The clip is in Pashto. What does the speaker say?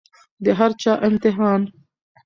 د هر چا امتحان